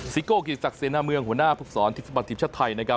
ซิโก้กิจจากเซียนหน้าเมืองหัวหน้าภูมิสอนทีมฟุตบาลทีมชาติไทยนะครับ